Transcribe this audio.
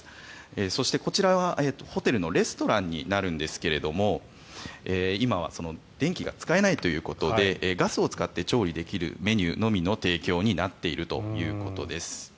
そして、こちらはホテルのレストランになるんですが今は電気が使えないということでガスを使って調理できるメニューのみの提供になっているということです。